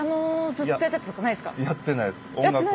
やってないです。